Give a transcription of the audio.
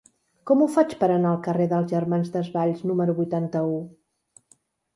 Com ho faig per anar al carrer dels Germans Desvalls número vuitanta-u?